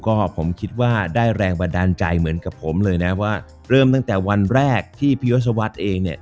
ก็ผมคิดว่าได้แรงบันดาลใจเหมือนกับผมเลยนะว่าเริ่มตั้งแต่วันแรกที่พี่ยศวรรษเองเนี่ย